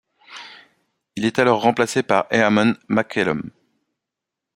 Il est alors remplacé par Éamon McElholm.